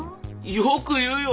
よく言うよ。